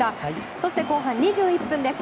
そして後半２１分です。